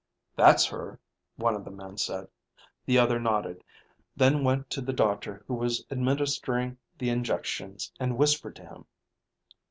"That's her," one of the men said. The other nodded, then went to the doctor who was administering the injections, and whispered to him.